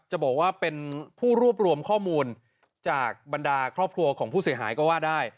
จะบอกว่าเป็นผู้รวบรวมข้อมูลจากบรรดาครอบครัวของผู้เสียหายก็ว่าได้